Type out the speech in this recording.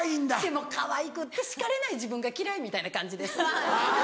でもかわいくって叱れない自分が嫌いみたいな感じです。